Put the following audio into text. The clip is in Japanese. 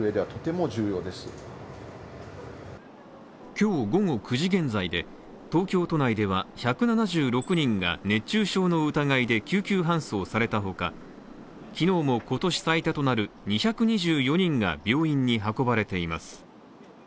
今日午後９時現在で、東京都内では１７６人が熱中症の疑いで救急搬送されたほか昨日も今年最多となる２２４人が病院に運ばれています。